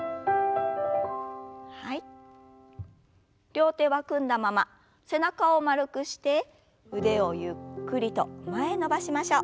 両手は組んだまま背中を丸くして腕をゆっくりと前へ伸ばしましょう。